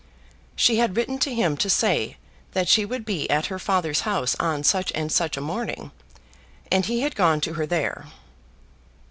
She had written to him to say that she would be at her father's house on such and such a morning, and he had gone to her there.